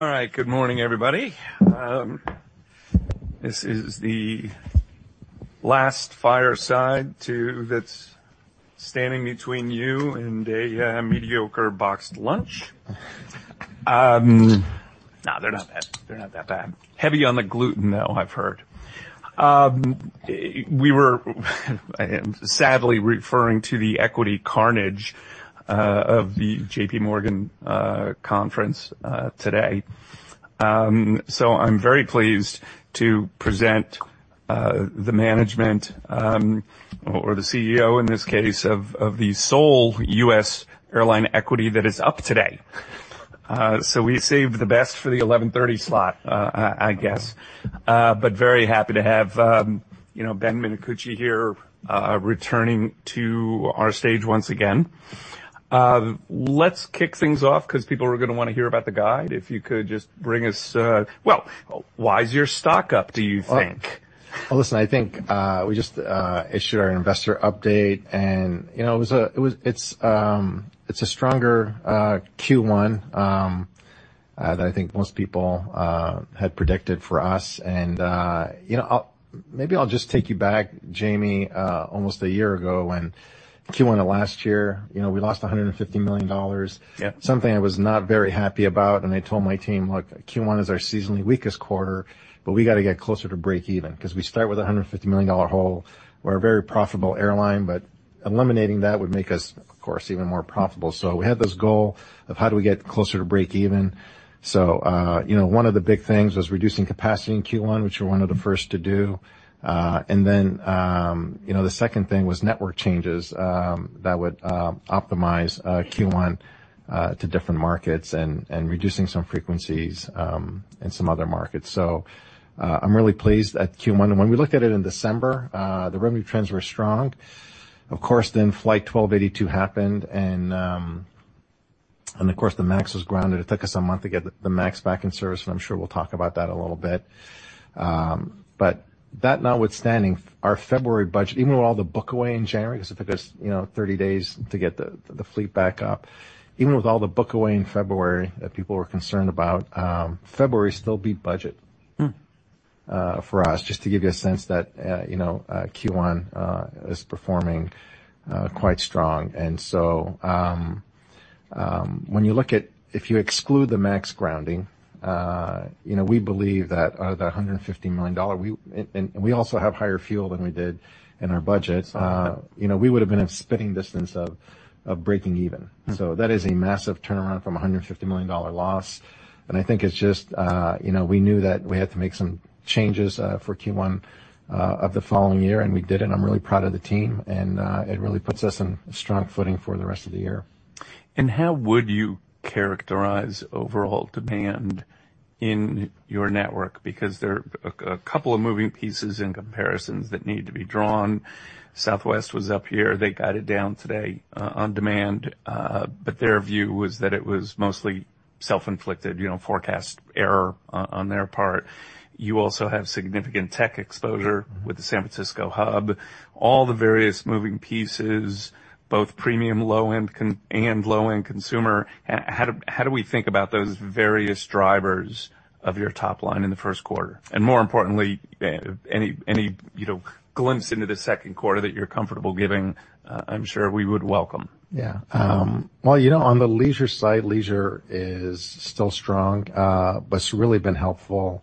All right. Good morning, everybody. This is the last fireside that's standing between you and a mediocre boxed lunch. Nah, they're not bad. They're not that bad. Heavy on the gluten, though, I've heard. We were sadly referring to the equity carnage of the JPMorgan conference today. So I'm very pleased to present the management or the CEO, in this case, of the sole U.S. airline equity that is up today. So we saved the best for the 11:30 slot, I guess. But very happy to have you know, Ben Minicucci here returning to our stage once again. Let's kick things off, because people are gonna wanna hear about the guide. If you could just bring us. Well, why is your stock up, do you think? Well, listen, I think we just issued our investor update, and, you know, it's a stronger Q1 than I think most people had predicted for us. And, you know, I'll maybe just take you back, Jamie, almost a year ago when Q1 of last year, you know, we lost $150 million. Yeah. Something I was not very happy about, and I told my team: "Look, Q1 is our seasonally weakest quarter, but we got to get closer to breakeven." Because we start with a $150 million hole. We're a very profitable airline, but eliminating that would make us, of course, even more profitable. So we had this goal of how do we get closer to breakeven. So, you know, one of the big things was reducing capacity in Q1, which we're one of the first to do. And then, you know, the second thing was network changes that would optimize Q1 to different markets and reducing some frequencies in some other markets. So, I'm really pleased at Q1. And when we looked at it in December, the revenue trends were strong. Of course, then Flight 1282 happened and, and of course, the MAX was grounded. It took us a month to get the MAX back in service, and I'm sure we'll talk about that a little bit. But that notwithstanding, our February budget, even with all the book away in January, because it took us, you know, 30 days to get the fleet back up. Even with all the book away in February that people were concerned about, February still beat budget- Hmm For us, just to give you a sense that, you know, Q1 is performing quite strong. And so, when you look at, if you exclude the MAX grounding, you know, we believe that the $150 million dollar. We, and we also have higher fuel than we did in our budget. Okay. You know, we would have been in spitting distance of breaking even. Hmm. So that is a massive turnaround from a $150 million loss. And I think it's just, you know, we knew that we had to make some changes for Q1 of the following year, and we did, and I'm really proud of the team, and it really puts us in a strong footing for the rest of the year. How would you characterize overall demand in your network? Because there are a couple of moving pieces and comparisons that need to be drawn. Southwest was up here. They got it down today on demand, but their view was that it was mostly self-inflicted, you know, forecast error on their part. You also have significant tech exposure- Mm-hmm With the San Francisco hub. All the various moving pieces, both premium, low-end and low-end consumer, how we think about those various drivers of your top line in the first quarter? And more importantly, any, you know, glimpse into the second quarter that you're comfortable giving, I'm sure we would welcome. Yeah. Well, you know, on the leisure side, leisure is still strong. What's really been helpful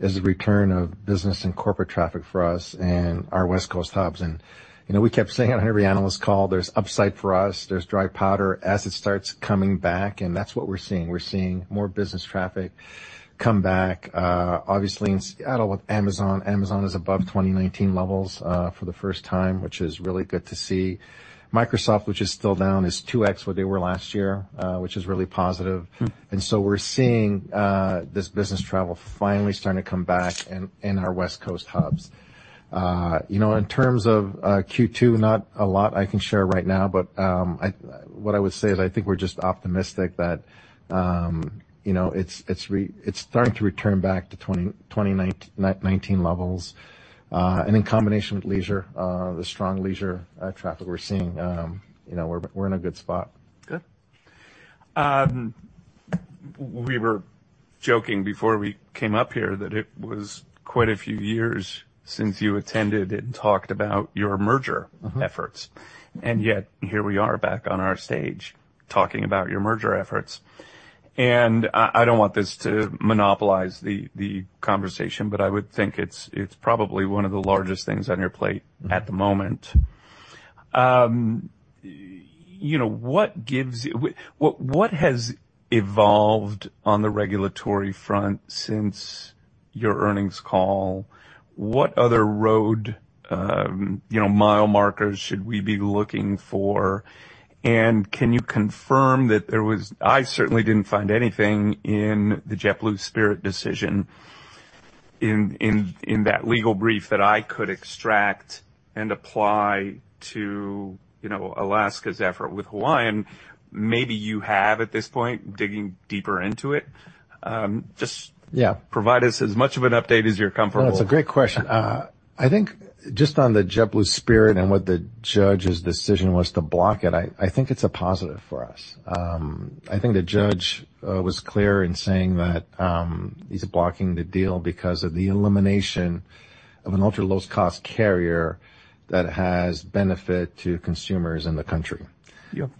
is the return of business and corporate traffic for us and our West Coast hubs. You know, we kept saying on every analyst call, there's upside for us, there's dry powder as it starts coming back, and that's what we're seeing. We're seeing more business traffic come back. Obviously, in Seattle with Amazon, Amazon is above 2019 levels, for the first time, which is really good to see. Microsoft, which is still down, is 2x what they were last year, which is really positive. Hmm. We're seeing this business travel finally starting to come back in our West Coast hubs. You know, in terms of Q2, not a lot I can share right now, but what I would say is, I think we're just optimistic that, you know, it's starting to return back to 2019 levels. And in combination with leisure, the strong leisure traffic we're seeing, you know, we're in a good spot. Good. We were joking before we came up here that it was quite a few years since you attended and talked about your merger- Mm-hmm Efforts, and yet here we are back on our stage talking about your merger efforts. And I don't want this to monopolize the conversation, but I would think it's probably one of the largest things on your plate- Mm-hmm At the moment. You know, what has evolved on the regulatory front since your earnings call? What other road, you know, mile markers should we be looking for? And can you confirm that there was—I certainly didn't find anything in the JetBlue Spirit decision in that legal brief that I could extract and apply to, you know, Alaska's effort. With Hawaiian, maybe you have, at this point, digging deeper into it. Just- Yeah. Provide us as much of an update as you're comfortable. Well, it's a great question. I think just on the JetBlue Spirit and what the judge's decision was to block it, I think it's a positive for us. I think the judge was clear in saying that he's blocking the deal because of the elimination of an ultra-low-cost carrier that has benefit to consumers in the country. Yep.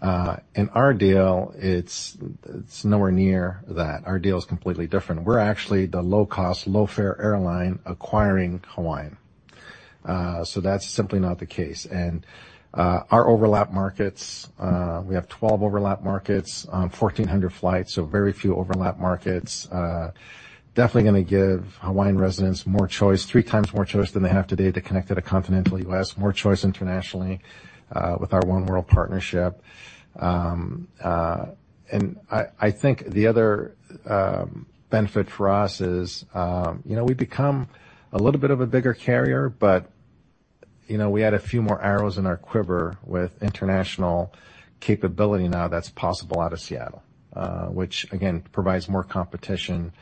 In our deal, it's, it's nowhere near that. Our deal is completely different. We're actually the low-cost, low-fare airline acquiring Hawaiian. So that's simply not the case. Our overlap markets, we have 12 overlap markets on 1,400 flights, so very few overlap markets. Definitely gonna give Hawaiian residents more choice, 3x more choice than they have today, to connect to the continental U.S. More choice internationally, with our oneworld partnership. And I, I think the other benefit for us is, you know, we become a little bit of a bigger carrier, but, you know, we add a few more arrows in our quiver with international capability now that's possible out of Seattle. Which again, provides more competition,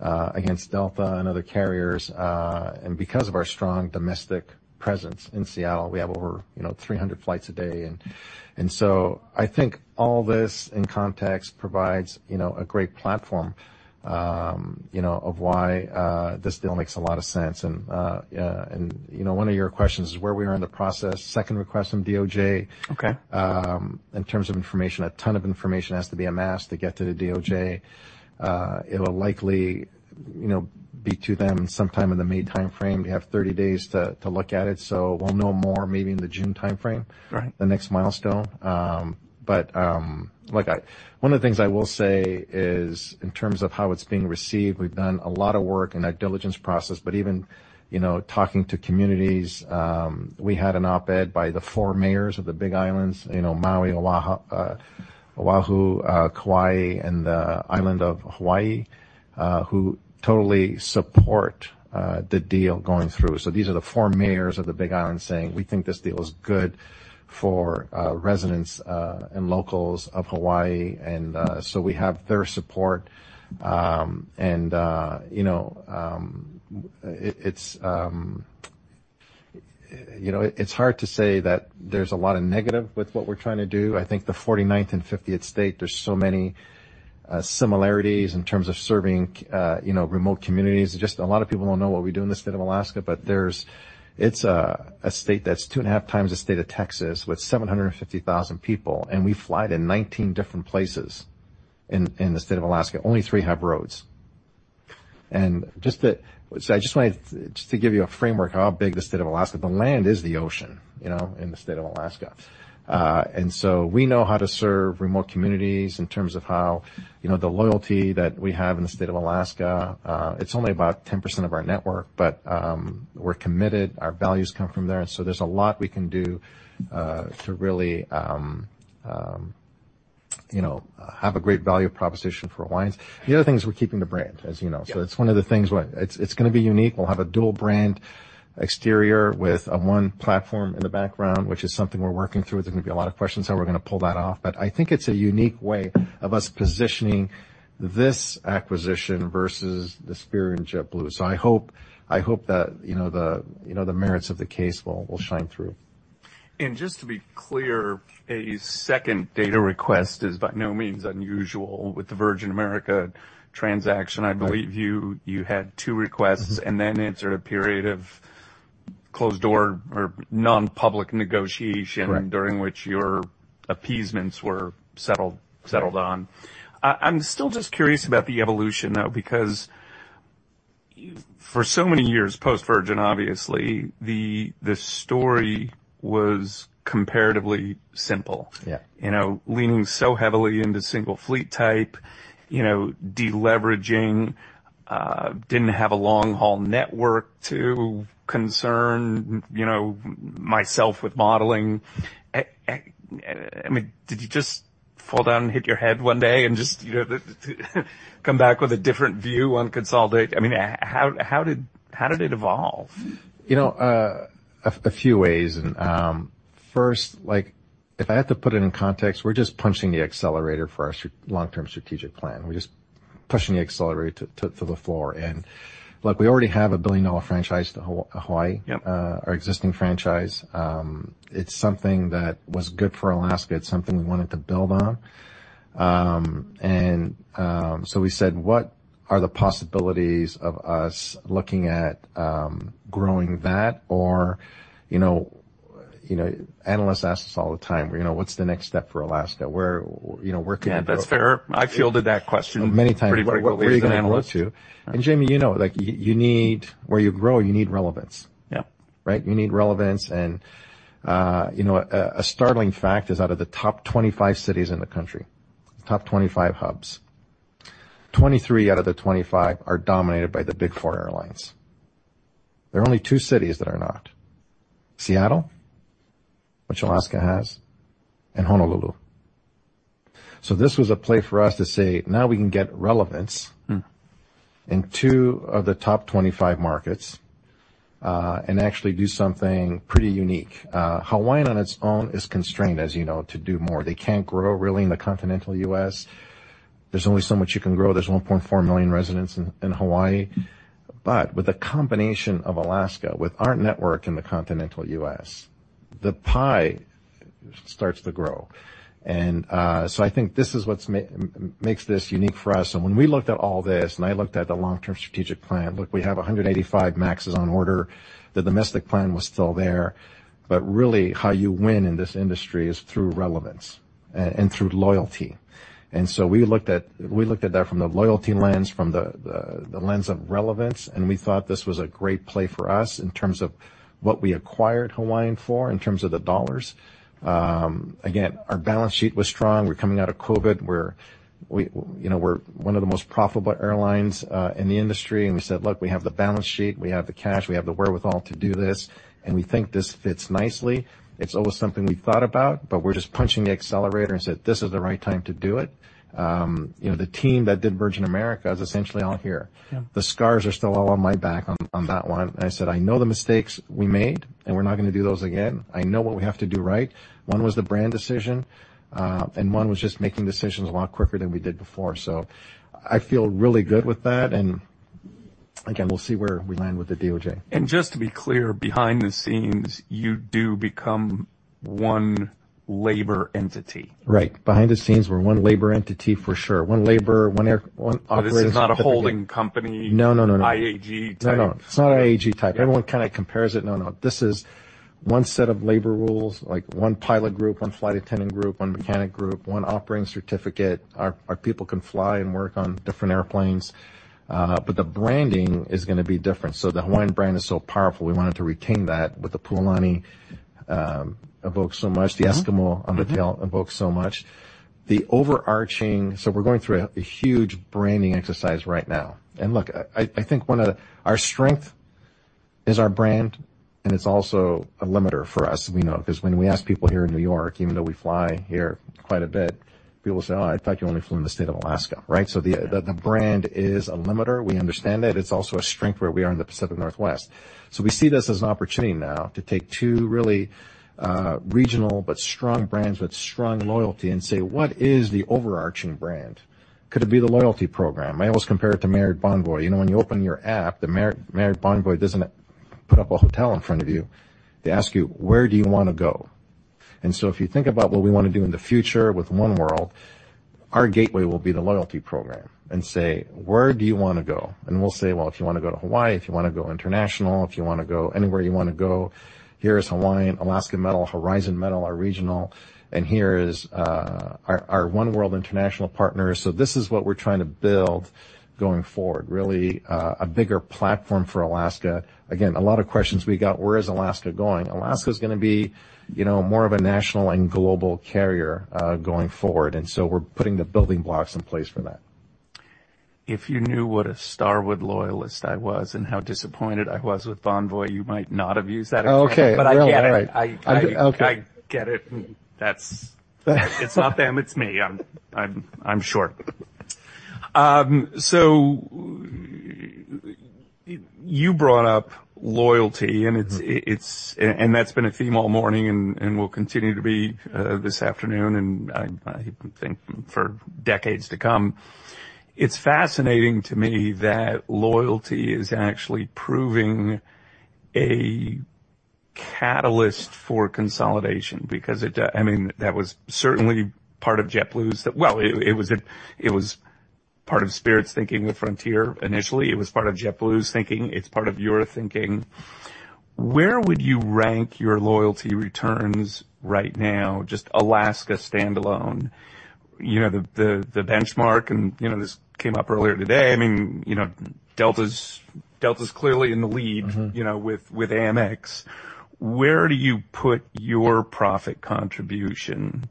against Delta and other carriers. And because of our strong domestic presence in Seattle, we have over, you know, 300 flights a day. And, and so I think all this in context provides, you know, a great platform, you know, of why this deal makes a lot of sense. And, and you know, one of your questions is where we are in the process. Second request from DOJ. Okay. In terms of information, a ton of information has to be amassed to get to the DOJ. It'll likely, you know, be to them sometime in the May timeframe. They have 30 days to look at it, so we'll know more, maybe in the June timeframe. Right. The next milestone. One of the things I will say is, in terms of how it's being received, we've done a lot of work in our diligence process, but even, you know, talking to communities, we had an op-ed by the four mayors of the big islands, you know, Maui, Oahu, Kauai, and the island of Hawaii, who totally support the deal going through. So these are the four mayors of the Big Island saying, "We think this deal is good for residents and locals of Hawaii." And so we have their support. And you know, it's hard to say that there's a lot of negative with what we're trying to do. I think the 49th and 50th state, there's so many similarities in terms of serving, you know, remote communities. Just a lot of people don't know what we do in the state of Alaska, but there's, it's a state that's 2.5x the state of Texas, with 750,000 people, and we fly to 19 different places in the state of Alaska. Only three have roads. So I just wanted to give you a framework of how big the state of Alaska, the land is the ocean, you know, in the state of Alaska. And so we know how to serve remote communities in terms of how, you know, the loyalty that we have in the state of Alaska, it's only about 10% of our network, but we're committed. Our values come from there, and so there's a lot we can do to really, you know, have a great value proposition for Hawaiians. The other thing is, we're keeping the brand, as you know. Yeah. So it's one of the things where it's gonna be unique. We'll have a dual brand exterior with one platform in the background, which is something we're working through. There's gonna be a lot of questions how we're gonna pull that off, but I think it's a unique way of us positioning this acquisition versus the Spirit and JetBlue. So I hope that you know the merits of the case will shine through. Just to be clear, a second data request is by no means unusual. With the Virgin America transaction- Right. I believe you, you had two requests, and then entered a period of closed-door or non-public negotiation. Correct During which your agreements were settled on. I'm still just curious about the evolution, though, because you-- for so many years, post-Virgin, obviously, the story was comparatively simple. Yeah. You know, leaning so heavily into single fleet type, you know, de-leveraging, didn't have a long-haul network to concern, you know, myself with modeling. I mean, did you just fall down and hit your head one day and just, you know, come back with a different view on consolidate? I mean, how did it evolve? You know, a few ways. First, like, if I had to put it in context, we're just punching the accelerator for our long-term strategic plan. We're just pushing the accelerator to the floor. And look, we already have a billion-dollar franchise to Hawaii. Yep. Our existing franchise, it's something that was good for Alaska. It's something we wanted to build on. So we said, "What are the possibilities of us looking at growing that?" Or, you know, you know, analysts ask us all the time, you know, "What's the next step for Alaska? Where, you know, where can you grow? Yeah, that's fair. I fielded that question- Many times- Pretty frequently as an analyst. And Jamie, you know, like, you need.. Where you grow, you need relevance. Yeah. Right? You need relevance, and you know, a startling fact is, out of the top 25 cities in the country, top 25 hubs, 23 out of the 25 are dominated by the big four airlines. There are only two cities that are not: Seattle, which Alaska has, and Honolulu. So this was a play for us to say, now we can get relevance- Mm. In two of the top 25 markets, and actually do something pretty unique. Hawaiian on its own is constrained, as you know, to do more. They can't grow, really, in the continental U.S. There's only so much you can grow. There's 1.4 million residents in Hawaii. But with a combination of Alaska, with our network in the continental U.S., the pie starts to grow. And so I think this is what makes this unique for us. And when we looked at all this, and I looked at the long-term strategic plan, look, we have 185 MAXes on order. The domestic plan was still there. But really, how you win in this industry is through relevance and through loyalty. We looked at that from the loyalty lens, from the lens of relevance, and we thought this was a great play for us in terms of what we acquired Hawaiian for, in terms of the dollars. Again, our balance sheet was strong. We're coming out of COVID. You know, we're one of the most profitable airlines in the industry, and we said, "Look, we have the balance sheet, we have the cash, we have the wherewithal to do this, and we think this fits nicely." It's always something we've thought about, but we're just punching the accelerator and said, "This is the right time to do it." You know, the team that did Virgin America is essentially all here. Yeah. The scars are still all on my back on, on that one. And I said, "I know the mistakes we made, and we're not gonna do those again. I know what we have to do right." One was the brand decision, and one was just making decisions a lot quicker than we did before. So I feel really good with that, and again, we'll see where we land with the DOJ. Just to be clear, behind the scenes, you do become one labor entity? Right. Behind the scenes, we're one labor entity, for sure. One labor, one air, one operating- This is not a holding company- No, no, no, no. IAG type. No, no. It's not an IAG type. Everyone kind of compares it. No, no. This is one set of labor rules, like one pilot group, one flight attendant group, one mechanic group, one operating certificate. Our people can fly and work on different airplanes, but the branding is gonna be different. So the Hawaiian brand is so powerful, we wanted to retain that, but the Pualani evokes so much. Mm-hmm. The Eskimo on the tail evokes so much. So we're going through a huge branding exercise right now. And look, I think one of our strength is our brand, and it's also a limiter for us. We know, because when we ask people here in New York, even though we fly here quite a bit, people say, "Oh, I thought you only flew in the state of Alaska." Right? So the brand is a limiter. We understand that. It's also a strength where we are in the Pacific Northwest. So we see this as an opportunity now to take two really regional, but strong brands with strong loyalty and say: What is the overarching brand? Could it be the loyalty program? I always compare it to Marriott Bonvoy. You know, when you open your app, the Marriott, Marriott Bonvoy doesn't put up a hotel in front of you. They ask you, "Where do you want to go?" And so if you think about what we want to do in the future with oneworld, our gateway will be the loyalty program and say, "Where do you want to go?" And we'll say, "Well, if you want to go to Hawaii, if you want to go international, if you want to go anywhere you want to go, here is Hawaiian, Alaska metal, Horizon metal, our regional, and here is our oneworld international partners." So this is what we're trying to build going forward, really, a bigger platform for Alaska. Again, a lot of questions we got, where is Alaska going? Alaska is gonna be, you know, more of a national and global carrier, going forward, and so we're putting the building blocks in place for that. If you knew what a Starwood loyalist I was and how disappointed I was with Bonvoy, you might not have used that example. Okay. But I get it. All right. I, I- Okay. I get it. That's. It's not them, it's me. I'm sure. So you brought up loyalty, and it's, it's. And that's been a theme all morning and will continue to be this afternoon, and I think for decades to come. It's fascinating to me that loyalty is actually proving a catalyst for consolidation, because I mean, that was certainly part of JetBlue's. Well, it was part of Spirit's thinking with Frontier. Initially, it was part of JetBlue's thinking. It's part of your thinking. Where would you rank your loyalty returns right now, just Alaska standalone? You know, the benchmark, and you know, this came up earlier today. I mean, you know, Delta's clearly in the lead. Mm-hmm. You know, with Amex. Where do you put your profit contribution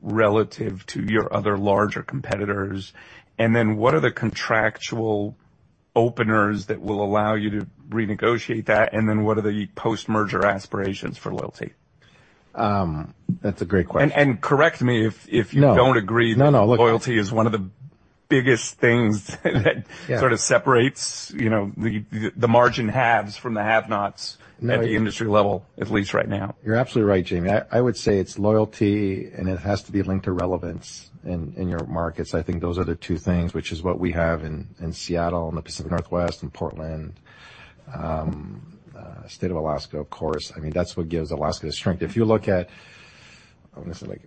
relative to your other larger competitors? And then what are the contractual openers that will allow you to renegotiate that? And then what are the post-merger aspirations for loyalty? That's a great question. Correct me if you- No. Don't agree. No, no. Look- Loyalty is one of the biggest things that- Yeah Sort of separates, you know, the margin haves from the have-nots. No At the industry level, at least right now. You're absolutely right, Jamie. I would say it's loyalty, and it has to be linked to relevance in your markets. I think those are the two things, which is what we have in Seattle, in the Pacific Northwest, in Portland, State of Alaska, of course. I mean, that's what gives Alaska its strength. If you look at, what is it, like,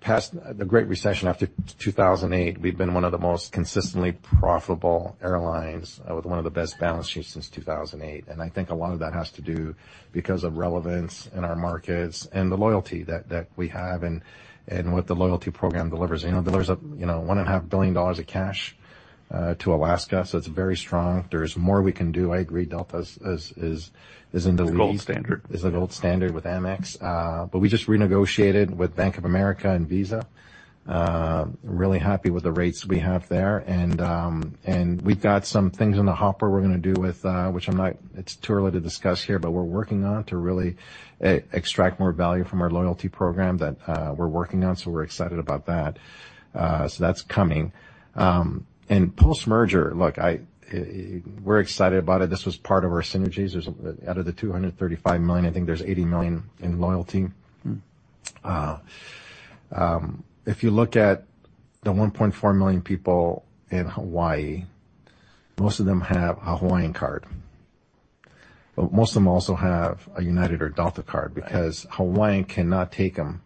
past the Great Recession, after 2008, we've been one of the most consistently profitable airlines with one of the best balance sheets since 2008. And I think a lot of that has to do because of relevance in our markets and the loyalty that we have and what the loyalty program delivers. You know, delivers, you know, $1.5 billion of cash to Alaska, so it's very strong. There's more we can do. I agree, Delta is in the lead. The gold standard. Is the gold standard with Amex. But we just renegotiated with Bank of America and Visa. Really happy with the rates we have there. And we've got some things in the hopper we're gonna do with, which I'm not—it's too early to discuss here, but we're working on to really extract more value from our loyalty program that we're working on. So we're excited about that. So that's coming. And post-merger, look, I, we're excited about it. This was part of our synergies. There's, out of the $235 million, I think there's $80 million in loyalty. Mm-hmm. If you look at the 1.4 million people in Hawaii, most of them have a Hawaiian card. But most of them also have a United or Delta card- Right. Because Hawaiian cannot take them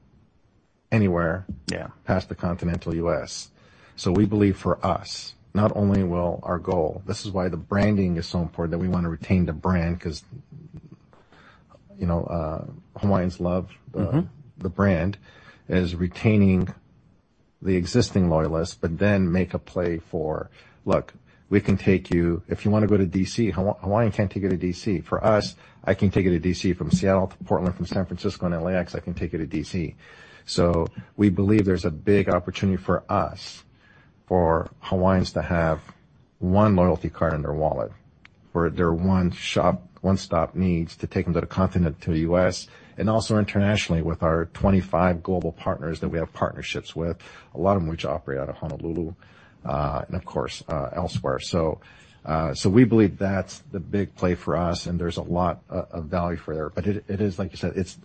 anywhere. Yeah. Past the continental U.S. So we believe for us, not only will our goal-- This is why the branding is so important, that we want to retain the brand, because, you know, Hawaiians love the- Mm-hmm. The brand, is retaining the existing loyalists, but then make a play for: Look, we can take you. If you want to go to D.C., Hawaiian can't take you to D.C. For us, I can take you to D.C. from Seattle, to Portland, from San Francisco, and LAX, I can take you to D.C. So we believe there's a big opportunity for us, for Hawaiians to have one loyalty card in their wallet, for their one-shop, one-stop needs, to take them to the continental US, and also internationally with our 25 global partners that we have partnerships with, a lot of them which operate out of Honolulu, and of course, elsewhere. So, so we believe that's the big play for us, and there's a lot of value for there. But it, it is like you said, it's...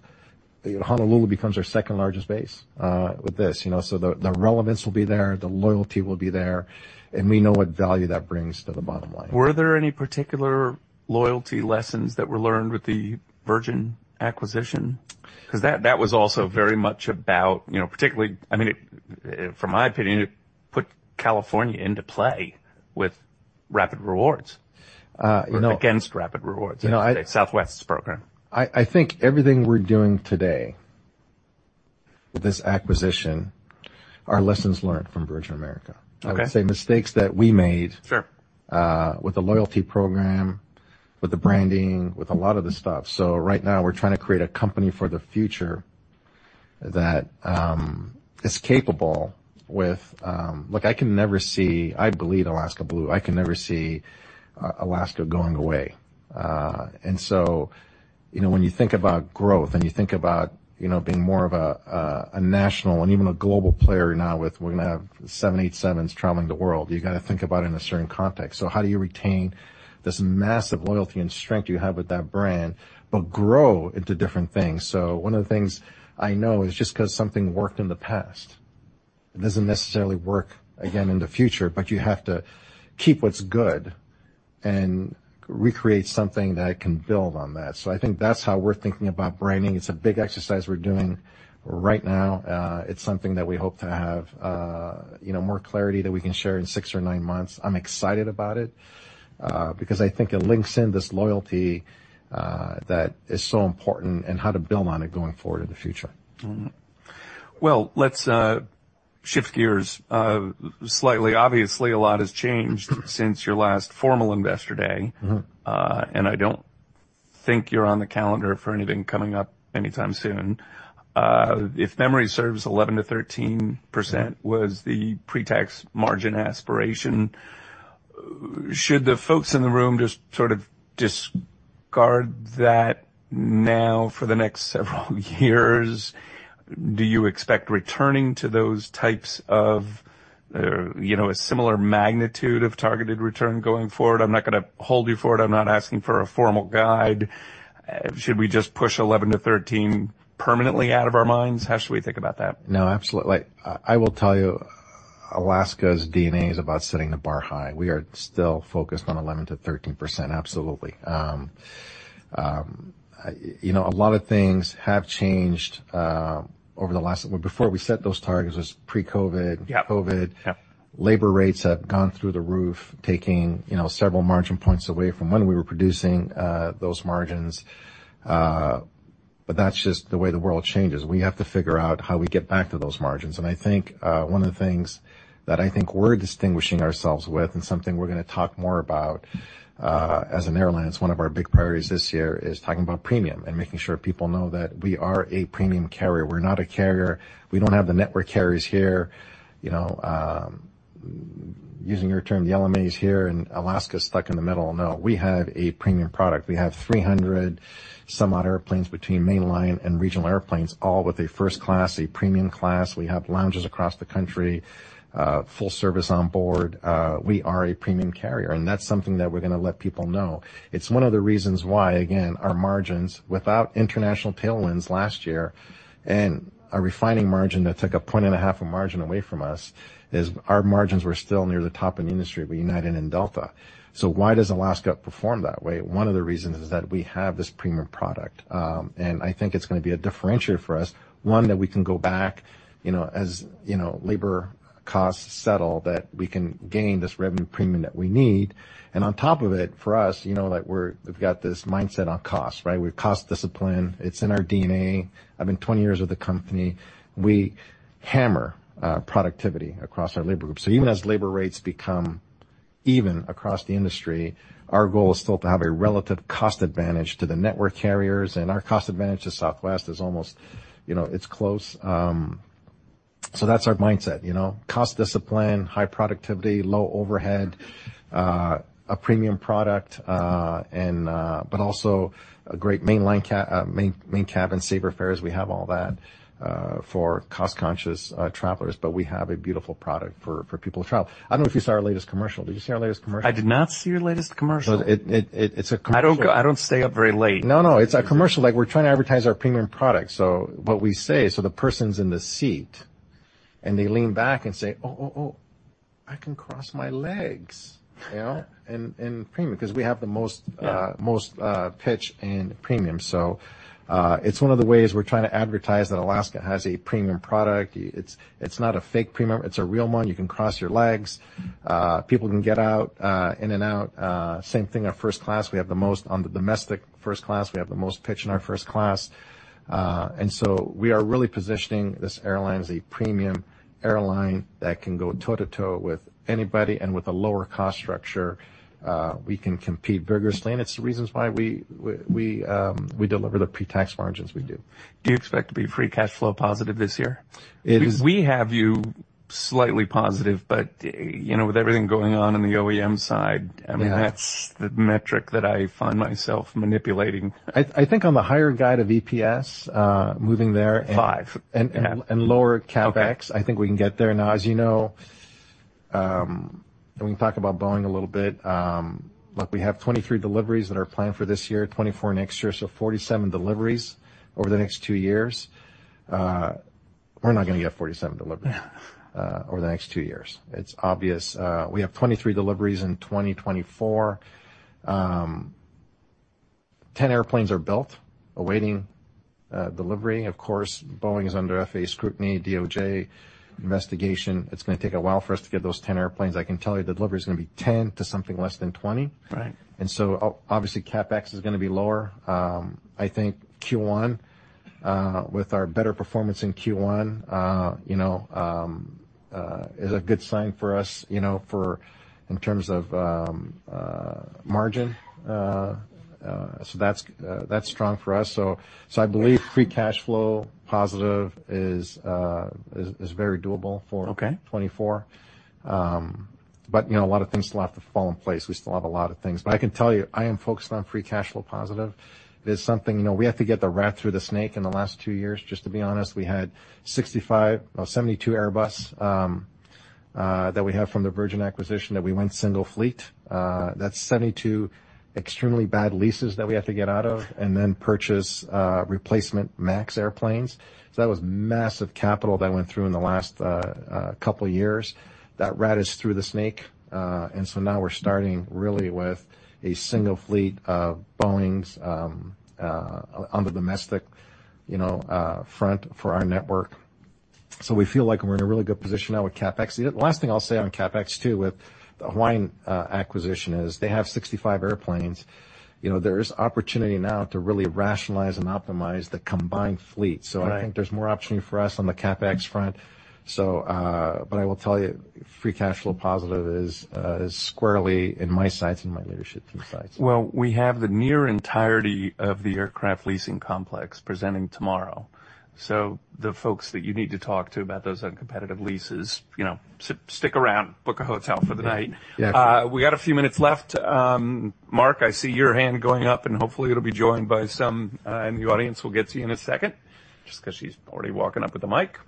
Honolulu becomes our second-largest base, with this, you know? So the relevance will be there, the loyalty will be there, and we know what value that brings to the bottom line. Were there any particular loyalty lessons that were learned with the Virgin acquisition? Because that, that was also very much about, you know, particularly, I mean, from my opinion, it put California into play with Rapid Rewards. You know- Or against Rapid Rewards. You know, Southwest's program. I think everything we're doing today with this acquisition are lessons learned from Virgin America. Okay. I would say mistakes that we made- Sure. With the loyalty program, with the branding, with a lot of the stuff. So right now, we're trying to create a company for the future that is capable with. Look, I can never see--I believe Alaska Blue. I can never see, Alaska going away. And so, you know, when you think about growth and you think about, you know, being more of a national and even a global player now with, we're going to have seven 787s traveling the world, you got to think about it in a certain context. So how do you retain this massive loyalty and strength you have with that brand, but grow into different things? So one of the things I know is just because something worked in the past, it doesn't necessarily work again in the future, but you have to keep what's good and recreate something that can build on that. So I think that's how we're thinking about branding. It's a big exercise we're doing right now. It's something that we hope to have, you know, more clarity that we can share in six or nine months. I'm excited about it, because I think it links in this loyalty that is so important and how to build on it going forward in the future. Mm-hmm. Well, let's shift gears slightly. Obviously, a lot has changed since your last formal Investor Day. Mm-hmm. And I don't think you're on the calendar for anything coming up anytime soon. If memory serves, 11%-13% was the pre-tax margin aspiration. Should the folks in the room just sort of discard that now for the next several years? Do you expect returning to those types of, you know, a similar magnitude of targeted return going forward? I'm not going to hold you for it. I'm not asking for a formal guide. Should we just push 11%-13% permanently out of our minds? How should we think about that? No, absolutely. I will tell you, Alaska's DNA is about setting the bar high. We are still focused on 11%-13%. Absolutely. You know, a lot of things have changed over the last. Before we set those targets, it was pre-COVID. Yeah. COVID. Yeah. Labor rates have gone through the roof, taking, you know, several margin points away from when we were producing those margins. But that's just the way the world changes. We have to figure out how we get back to those margins. And I think one of the things that I think we're distinguishing ourselves with, and something we're going to talk more about, as an airline, it's one of our big priorities this year, is talking about premium and making sure people know that we are a premium carrier. We're not a carrier. We don't have the network carriers here, you know, using your term, the LMA is here, and Alaska is stuck in the middle. No, we have a premium product. We have 300-some-odd airplanes between mainline and regional airplanes, all with a First Class, a Premium Class. We have lounges across the country, full service on board. We are a premium carrier, and that's something that we're going to let people know. It's one of the reasons why, again, our margins, without international tailwinds last year and a refining margin that took 1.5 points of margin away from us, is our margins were still near the top in the industry, with United and Delta. So why does Alaska perform that way? One of the reasons is that we have this premium product. And I think it's going to be a differentiator for us. One, that we can go back, you know, as, you know, labor costs settle, that we can gain this revenue premium that we need. And on top of it, for us, you know, like, we've got this mindset on cost, right? We've cost discipline. It's in our DNA. I've been 20 years with the company. We hammer productivity across our labor groups. So even as labor rates become even across the industry, our goal is still to have a relative cost advantage to the network carriers, and our cost advantage to Southwest is almost, you know, it's close. So that's our mindset, you know, cost discipline, high productivity, low overhead, a premium product, and but also a great Main Cabin Saver fares. We have all that for cost-conscious travelers, but we have a beautiful product for people to travel. I don't know if you saw our latest commercial. Did you see our latest commercial? I did not see your latest commercial. It's a commercial. I don't stay up very late. No, no, it's a commercial. Like, we're trying to advertise our premium product. So what we say, so the person's in the seat. And they lean back and say, "Oh, oh, oh, I can cross my legs," you know, in premium, because we have the most pitch in premium. So, it's one of the ways we're trying to advertise that Alaska has a premium product. It's not a fake premium. It's a real one. You can cross your legs. People can get out in and out. Same thing, our first class, we have the most on the domestic first class. We have the most pitch in our first class. And so we are really positioning this airline as a premium airline that can go toe-to-toe with anybody, and with a lower cost structure, we can compete vigorously, and it's the reasons why we deliver the pre-tax margins we do. Do you expect to be free cash flow positive this year? It is- We have you slightly positive, but, you know, with everything going on in the OEM side, I mean- Yeah That's the metric that I find myself manipulating. I think on the higher guide of EPS, moving there and- Five. And lower CapEx. Okay. I think we can get there. Now, as you know, and we can talk about Boeing a little bit. Look, we have 23 deliveries that are planned for this year, 24 next year, so 47 deliveries over the next two years. We're not gonna get 47 deliveries- Yeah over the next two years. It's obvious. We have 23 deliveries in 2024. 10 airplanes are built, awaiting delivery. Of course, Boeing is under FAA scrutiny, DOJ investigation. It's gonna take a while for us to get those 10 airplanes. I can tell you the delivery is gonna be 10 to something less than 20. Right. So obviously, CapEx is gonna be lower. I think Q1 with our better performance in Q1, you know, is a good sign for us, you know, for, in terms of margin. So that's strong for us. So I believe free cash flow positive is very doable for- Okay 2024. But, you know, a lot of things still have to fall in place. We still have a lot of things. But I can tell you, I am focused on free cash flow positive. It is something you know, we had to get the rat through the snake in the last 2 years, just to be honest. We had 65, 72 Airbus, that we have from the Virgin acquisition, that we went single fleet. That's 72 extremely bad leases that we have to get out of and then purchase, replacement MAX airplanes. So that was massive capital that went through in the last, couple of years. That rat is through the snake, and so now we're starting really with a single fleet of Boeings, on the domestic, you know, front for our network. We feel like we're in a really good position now with CapEx. The last thing I'll say on CapEx, too, with the Hawaiian acquisition is they have 65 airplanes. You know, there is opportunity now to really rationalize and optimize the combined fleet. Right. I think there's more opportunity for us on the CapEx front. But I will tell you, free cash flow positive is squarely in my sights and my leadership team's sights. Well, we have the near entirety of the aircraft leasing complex presenting tomorrow. So the folks that you need to talk to about those uncompetitive leases, you know, stick around, book a hotel for the night. Yes. We got a few minutes left. Mark, I see your hand going up, and hopefully it'll be joined by some in the audience. We'll get to you in a second, just because she's already walking up with the mic.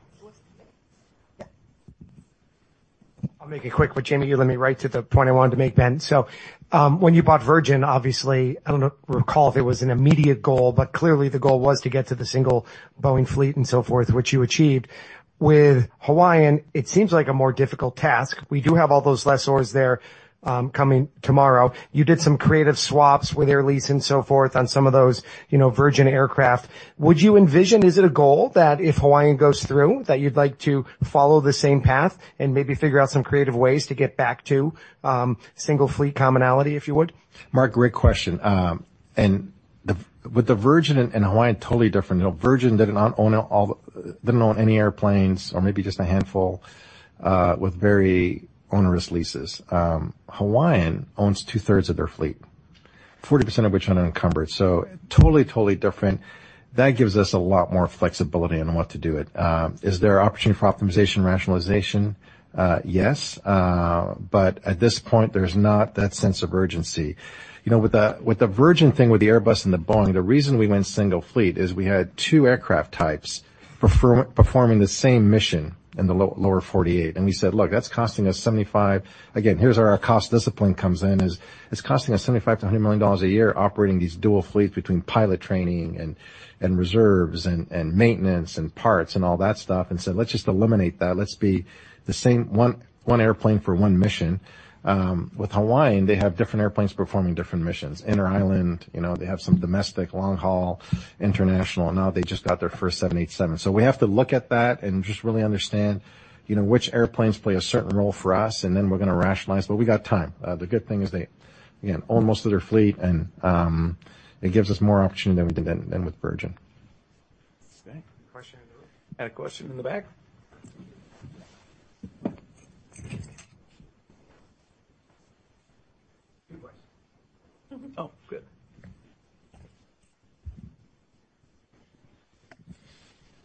I'll make it quick, but Jamie, you led me right to the point I wanted to make then. So, when you bought Virgin, obviously, I don't recall if it was an immediate goal, but clearly, the goal was to get to the single Boeing fleet and so forth, which you achieved. With Hawaiian, it seems like a more difficult task. We do have all those lessors there, coming tomorrow. You did some creative swaps with Air Lease and so forth on some of those, you know, Virgin aircraft. Would you envision, is it a goal that if Hawaiian goes through, that you'd like to follow the same path and maybe figure out some creative ways to get back to, single fleet commonality, if you would? Mark, great question. And with the Virgin and Hawaiian, totally different. You know, Virgin did not own all the, didn't own any airplanes, or maybe just a handful, with very onerous leases. Hawaiian owns two-thirds of their fleet, 40% of which are unencumbered. So totally, totally different. That gives us a lot more flexibility on what to do with it. Is there opportunity for optimization, rationalization? Yes, but at this point, there's not that sense of urgency. You know, with the Virgin thing, with the Airbus and the Boeing, the reason we went single fleet is we had two aircraft types performing the same mission in the Lower 48. And we said: Look, that's costing us 75. Again, here's where our cost discipline comes in, is it's costing us $75 million-$100 million a year operating these dual fleets between pilot training and reserves, and maintenance, and parts, and all that stuff. So let's just eliminate that. Let's be the same one airplane for one mission. With Hawaiian, they have different airplanes performing different missions. Inter-island, you know, they have some domestic, long haul, international, and now they just got their first 787. So we have to look at that and just really understand, you know, which airplanes play a certain role for us, and then we're gonna rationalize. But we got time. The good thing is they, again, own most of their fleet, and it gives us more opportunity than with Virgin. Okay. Question in the room.I had a question in the back? Oh, good.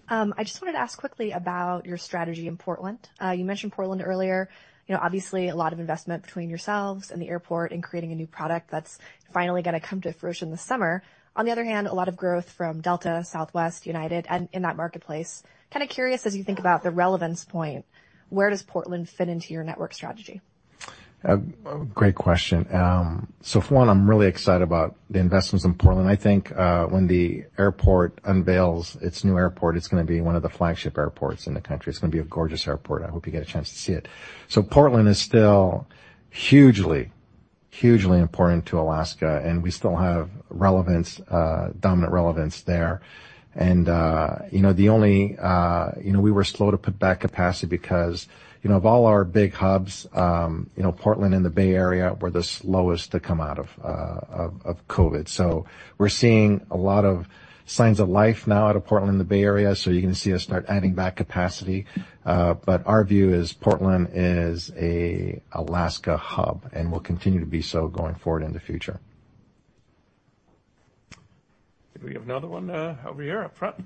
I just wanted to ask quickly about your strategy in Portland. You mentioned Portland earlier. You know, obviously, a lot of investment between yourselves and the airport in creating a new product that's finally gonna come to fruition this summer. On the other hand, a lot of growth from Delta, Southwest, United, and in that marketplace. Kind of curious, as you think about the relevance point, where does Portland fit into your network strategy? Great question. So for one, I'm really excited about the investments in Portland. I think, when the airport unveils its new airport, it's gonna be one of the flagship airports in the country. It's gonna be a gorgeous airport. I hope you get a chance to see it. So Portland is still hugely, hugely important to Alaska, and we still have relevance, dominant relevance there. And, you know, we were slow to put back capacity because, you know, of all our big hubs, Portland and the Bay Area were the slowest to come out of COVID. So we're seeing a lot of signs of life now out of Portland and the Bay Area, so you're gonna see us start adding back capacity. But our view is Portland is an Alaska hub, and will continue to be so going forward in the future. Did we have another one over here up front?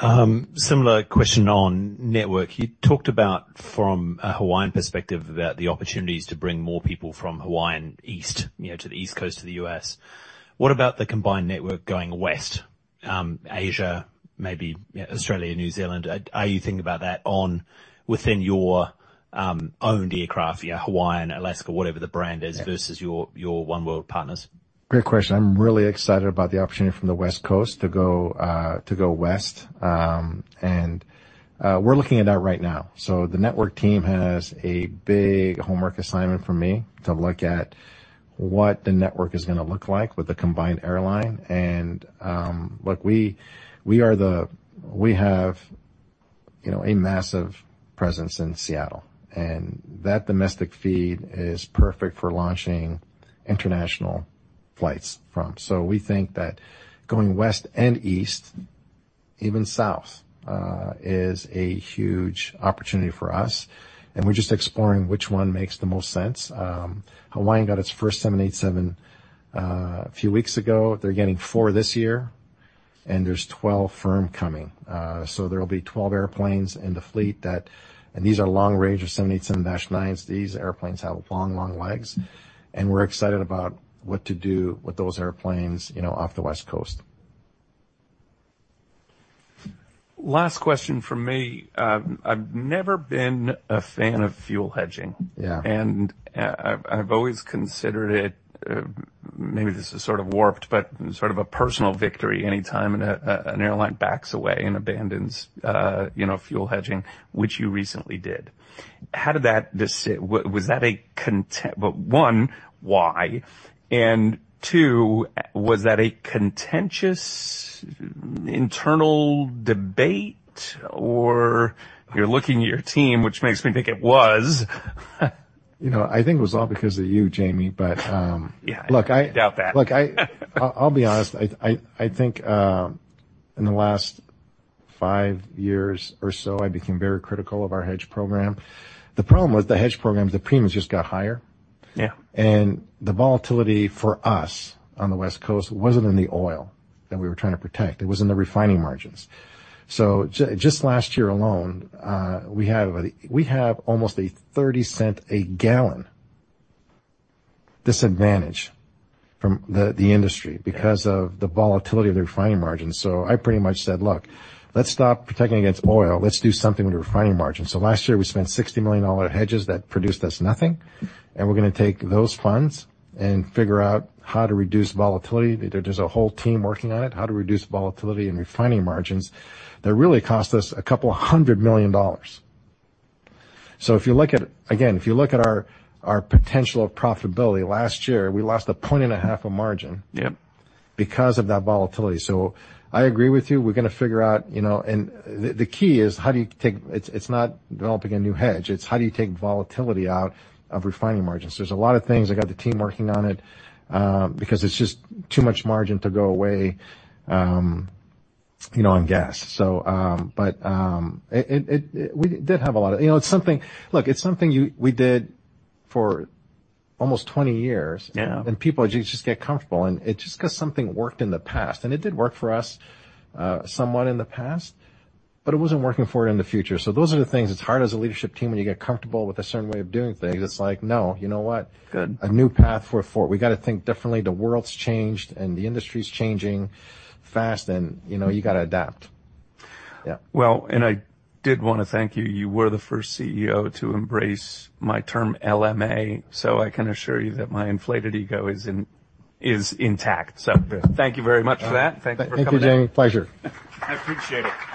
Thanks. Similar question on network. You talked about from a Hawaiian perspective, about the opportunities to bring more people from Hawaiian east, you know, to the East Coast of the US. What about the combined network going west, Asia, maybe Australia, New Zealand? Are you thinking about that on within your, owned aircraft, Hawaiian, Alaska, whatever the brand is, versus your, your oneworld partners? Great question. I'm really excited about the opportunity from the West Coast to go to go west. And we're looking at that right now. So the network team has a big homework assignment from me to look at what the network is gonna look like with the combined airline. And look, we have, you know, a massive presence in Seattle, and that domestic feed is perfect for launching international flights from. So we think that going west and east, even south, is a huge opportunity for us, and we're just exploring which one makes the most sense. Hawaiian got its first 787 a few weeks ago. They're getting 4 this year, and there's 12 firm coming. So there'll be 12 airplanes in the fleet that and these are long range of 787-9s. These airplanes have long, long legs, and we're excited about what to do with those airplanes, you know, off the West Coast. Last question from me. I've never been a fan of fuel hedging. Yeah. I've always considered it, maybe this is sort of warped, but sort of a personal victory anytime an airline backs away and abandons, you know, fuel hedging, which you recently did. How did that decision? Was that a contentious? Well, one, why? And two, was that a contentious internal debate, or you're looking at your team, which makes me think it was. You know, I think it was all because of you, Jamie. But- Yeah, I doubt that. Look, look, I'll be honest, I think in the last five years or so, I became very critical of our hedge program. The problem was the hedge program, the premiums just got higher. Yeah. The volatility for us on the West Coast wasn't in the oil that we were trying to protect. It was in the refining margins. So just last year alone, we had, we have almost a 30-cent-a-gallon disadvantage from the, the industry because of the volatility of the refining margins. So I pretty much said: Look, let's stop protecting against oil. Let's do something with the refining margins. So last year, we spent $60 million hedges that produced us nothing, and we're gonna take those funds and figure out how to reduce volatility. There's a whole team working on it, how to reduce volatility in refining margins that really cost us a couple of hundred million dollars. So if you look at. Again, if you look at our, our potential of profitability last year, we lost a point and a half of margin. Yep. Because of that volatility. So I agree with you. We're gonna figure out, you know. And the key is, how do you take. It's not developing a new hedge, it's how do it take volatility out of refining margins? There's a lot of things. I got the team working on it, because it's just too much margin to go away, you know, on gas. So, but, it we did have a lot of. You know, it's something. Look, it's something you, we did for almost 20 years. Yeah. People just get comfortable, and it's just because something worked in the past, and it did work for us, somewhat in the past, but it wasn't working for it in the future. So those are the things. It's hard as a leadership team, when you get comfortable with a certain way of doing things, it's like, "No, you know what? Good. A new path. We got to think differently. The world's changed, and the industry's changing fast, and, you know, you got to adapt. Yeah. Well, I did want to thank you. You were the first CEO to embrace my term, LMA, so I can assure you that my inflated ego is intact. Good. Thank you very much for that. Thank you for coming down. Thank you, Jamie. Pleasure. I appreciate it.